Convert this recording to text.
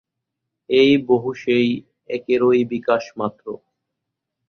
এই বহু সেই একেরই বিকাশমাত্র।